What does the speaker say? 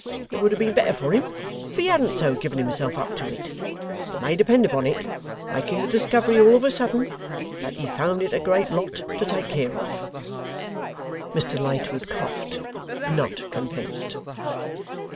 It would have been better for him if he hadn't so given himself up to it. You may depend upon it,' making the discovery all of a sudden, 'that HE found it a great lot to take care of!' Mr Lightwood coughed, not convinced.